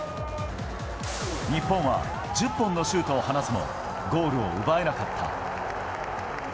日本は１０本のシュートを放つもゴールを奪えなかった。